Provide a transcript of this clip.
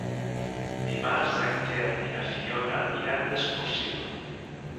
Dimarts en Quer i na Fiona iran d'excursió.